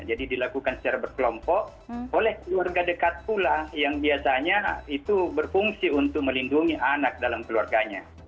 dilakukan secara berkelompok oleh keluarga dekat pula yang biasanya itu berfungsi untuk melindungi anak dalam keluarganya